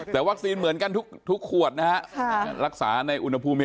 แต่วัคซีนเหมือนกันทุกขวดนะฮะรักษาในอุณหภูมิ